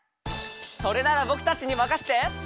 それならぼくたちにまかせて！